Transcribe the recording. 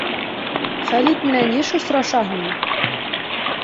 Хәлит менән йыш осрашаһыңмы?